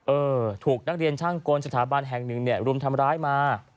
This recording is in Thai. เออถูกนักเรียนช่างกลสถาบันแห่งหนึ่งเนี่ยรุมทำร้ายมา